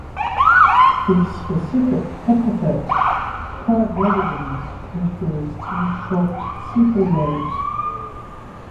The specific epithet ("perbrevidens") refers to the short sepal lobes.